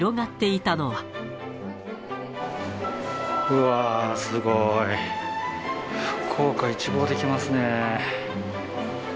うわー、すごい。福岡、一望できますね。